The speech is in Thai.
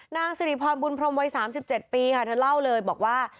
นางสิริพรบุญพรมวัย๓๗ปีค่ะเธอเล่าเลยบอกว่า